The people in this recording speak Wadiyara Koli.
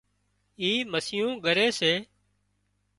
اِي مسيون ڳريس سي